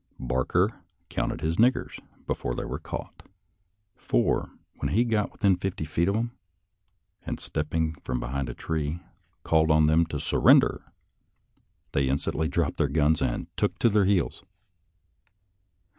Barker counted his " niggers " before they were caught; for, when he got within fifty feet of them, and stepping from behind a tree, called on them to HUMOROUS INCIDENTS 29 surrender, they instantly dropped their guns, and took to their heels.